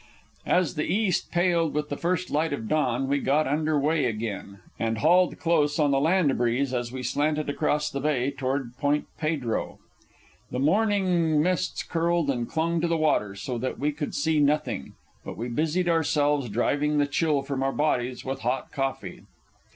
As the east paled with the first light of dawn we got under way again, and hauled close on the land breeze as we slanted across the bay toward Point Pedro. The morning mists curled and clung to the water so that we could see nothing, but we busied ourselves driving the chill from our bodies with hot coffee.